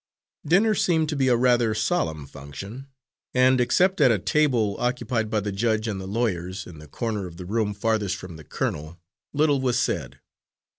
Dinner seemed to be a rather solemn function, and except at a table occupied by the judge and the lawyers, in the corner of the room farthest from the colonel, little was said.